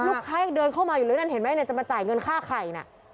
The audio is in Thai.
ลูกค้ายังเดินเข้ามาอยู่เลยนั่นเห็นไหมเนี่ยจะมาจ่ายเงินค่าไข่น่ะ